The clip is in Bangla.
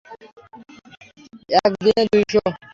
এক দিনে দুই শো।